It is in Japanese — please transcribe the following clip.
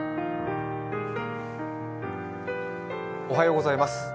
おはようございます。